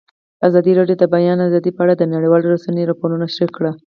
ازادي راډیو د د بیان آزادي په اړه د نړیوالو رسنیو راپورونه شریک کړي.